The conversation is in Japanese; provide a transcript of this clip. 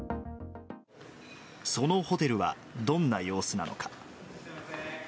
そのホテルはどんな様子なのか。